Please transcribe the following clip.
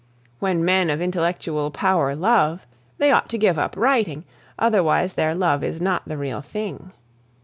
When men of intellectual power love, they ought to give up writing, otherwise their love is not the real thing.